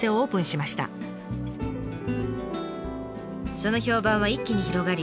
その評判は一気に広がり